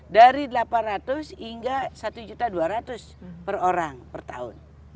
dari delapan ratus hingga rp satu dua ratus per orang per tahun